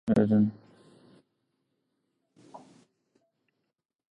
In contrast, in the Russian Federation, children usually start with playschool or kindergarten.